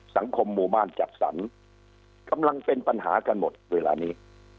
สังคมหมู่บ้านจัดสรรกำลังเป็นปัญหากันหมดเวลานี้